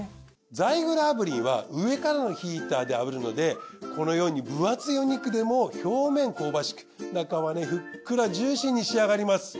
ザイグル炙輪は上からのヒーターで炙るのでこのように分厚いお肉でも表面香ばしく中はふっくらジューシーに仕上がります。